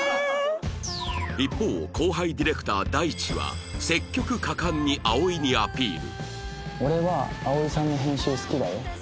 一方後輩ディレクター大地は積極果敢に葵にアピール